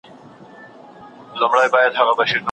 دا ټولي پېښې لوستل او څېړل غواړي.